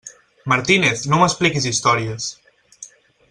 Martínez, no m'expliquis històries!